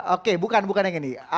oke bukan bukan yang ini